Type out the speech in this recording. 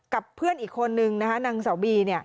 กับเพื่อนอีกคนนึงนางเสาบี